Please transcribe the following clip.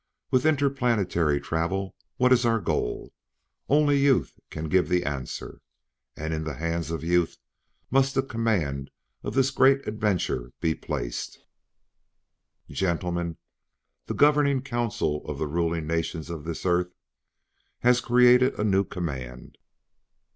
With interplanetary travel, what is our goal? Only youth can give the answer. And in the hands of youth must the command of this great adventure be placed. "Gentlemen, the Governing Council of the Ruling Nations of this Earth has created a new command.